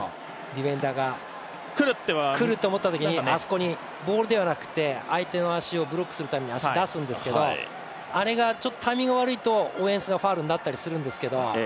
ディフェンダーが、くると思ったときにあそこにボールじゃなくて相手をブロックするために足が入るんですけどあれがタイミングが悪いと、オフェンスがファウルになったりするんですけど。